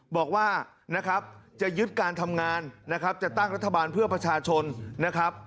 บอกว่านะครับจะยึดการทำงานนะครับจะตั้งรัฐบาลเพื่อประชาชนนะครับ